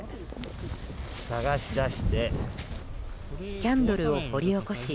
キャンドルを掘り起こし